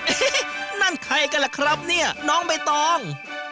นั่นใครกันล่ะครับเนี่ยน้องใบตอง